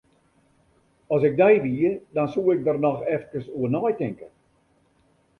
As ik dy wie, dan soe ik der noch efkes oer neitinke.